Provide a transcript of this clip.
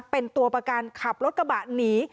เป็นตัวประกันขับรถกระบะหนี